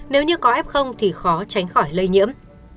nếu như có f thì khó tránh khỏi lây nhiễm